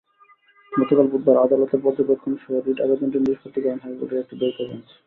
গতকাল বুধবার আদালতের পর্যবেক্ষণসহ রিট আবেদনটি নিষ্পত্তি করেন হাইকোর্টের একটি দ্বৈত বেঞ্চ।